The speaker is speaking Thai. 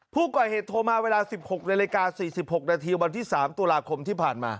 ผู้ก่อเหตุโทรมาเวลา๑๖นาฬิกา๔๖นาทีวันที่๓ตุลาคมที่ผ่านมา